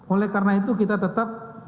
oleh karena itu kita tetap